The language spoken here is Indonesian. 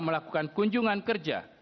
melakukan kunjungan kerja